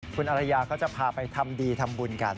คุณอรยาก็จะพาไปทำดีทำบุญกัน